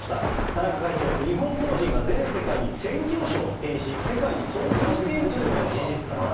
田中会長、日本法人が全世界に宣教師を派遣し、世界に送金しているというのは事実だと。